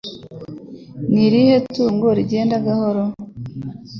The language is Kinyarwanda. Ni irihe tungo rijyenda gahoro?